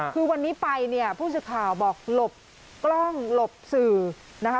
คือวันนี้ไปเนี่ยผู้สื่อข่าวบอกหลบกล้องหลบสื่อนะคะ